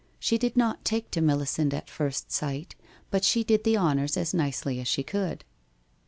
She did not take to Melisande at first sight, but she did the honours as nicely as she could.